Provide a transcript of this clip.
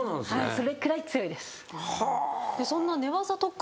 それくらい強いです。